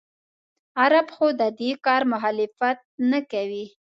عرب خو د دې کار مخالفت نه کوي.